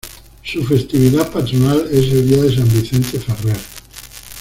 Su festividad patronal es el día de San Vicente Ferrer.